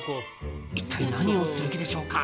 一体何をする気でしょうか。